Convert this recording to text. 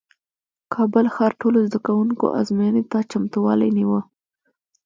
کابل ښار ټولو زدکوونکو ازموینې ته چمتووالی نیوه